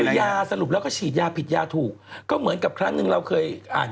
คือยาสรุปแล้วก็ฉีดยาผิดยาถูกก็เหมือนกับครั้งหนึ่งเราเคยอ่าน